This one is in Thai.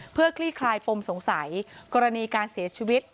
เพื่อคลี่คลายปมสงสัยกรณีการเสียชีวิต